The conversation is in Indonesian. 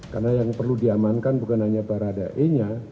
karena yang perlu diamankan bukan hanya barada e nya